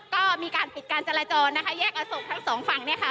ก็มีการปิดการจราจรนะคะแยกอโศกทั้งสองฝั่งเนี่ยค่ะ